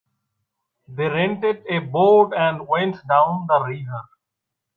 They rented a boat and went down the river.